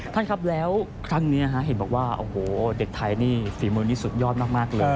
ท่านครับแล้วครั้งนี้เห็นบอกว่าโอ้โหเด็กไทยนี่ฝีมือนี้สุดยอดมากเลย